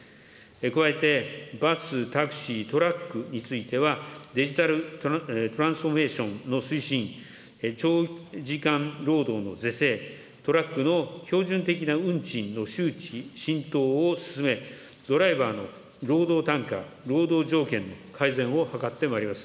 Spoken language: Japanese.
加えてバス、タクシー、トラックについては、デジタルトランスフォーメーションの推進、長時間労働の是正、トラックの標準的な運賃の周知、浸透を進め、ドライバーの労働単価、労働条件の改善を図ってまいります。